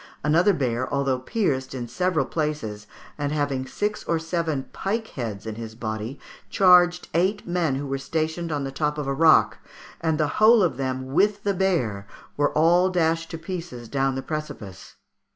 Another bear, although pierced in several places, and having six or seven pike heads in his body, charged eight men who were stationed on the top of a rock, and the whole of them with the bear were all dashed to pieces down the precipice.